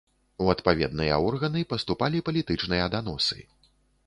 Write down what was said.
У адпаведныя органы паступалі палітычныя даносы.